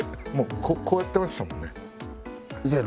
こうやってましたもんね。